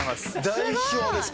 代表です